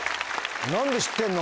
何で知ってんの？